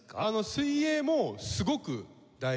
水泳もすごく大事で。